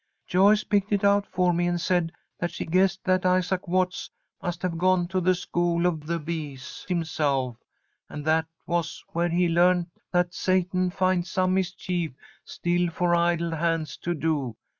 "Joyce picked it out for me, and said that she guessed that Isaac Watts must have gone to the School of the Bees himself, and that was where he learned that 'Satan finds some mischief still for idle hands to do.'